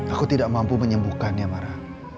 aku tidak mampu menyembuhkannya mara